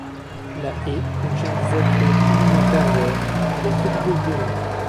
La Haie contient des êtres plus ou moins pervers, les hobgobelins.